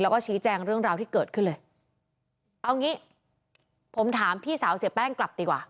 แล้วก็ชี้แจงเรื่องราวที่เกิดขึ้นเลยเอางี้ผมถามพี่สาวเสียแป้งกลับดีกว่า